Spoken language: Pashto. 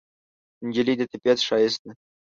نجلۍ د طبیعت ښایست ده.